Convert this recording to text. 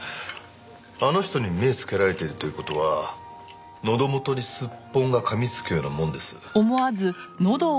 あの人に目をつけられてるという事はのど元にスッポンがかみつくようなもんです。